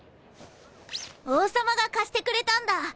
王様が貸してくれたんだ。